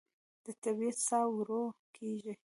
د طبیعت ساه ورو کېږي